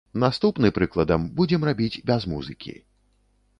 Наступны, прыкладам, будзем рабіць без музыкі.